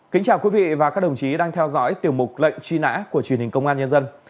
kính chào quý vị và các đồng chí đang theo dõi tiểu mục lệnh truy nã của truyền hình công an nhân dân